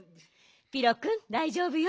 ピロくんだいじょうぶよ。